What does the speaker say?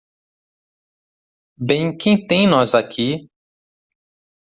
Bem quem tem nós aqui?